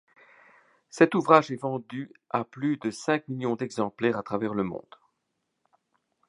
Cet ouvrage est vendu à plus de cinq millions d’exemplaires à travers le monde.